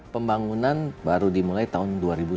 pembangunan baru dimulai tahun dua ribu sepuluh